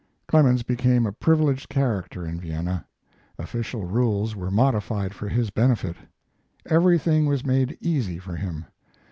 Clemens became a privileged character in Vienna. Official rules were modified for his benefit. Everything was made easy for him.